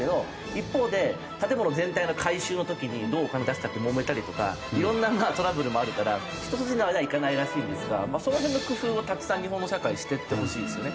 一方で建物全体の改修の時にどうお金出すかってもめたりとかいろんなトラブルもあるから一筋縄ではいかないらしいんですがその辺の工夫をたくさん日本の社会していってほしいですよね。